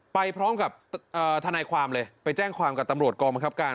ไปพร้อมกับทนายความเลยไปแจ้งความกับตำรวจกองบังคับการ